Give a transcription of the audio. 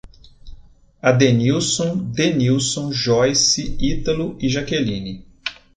Adenílson, Denílson, Joice, Ítalo e Jaqueline